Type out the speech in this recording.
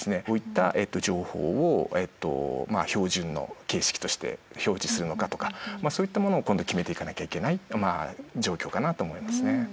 こういった情報を標準の形式として表示するのかとかそういったものを今度決めていかなきゃいけない状況かなと思いますね。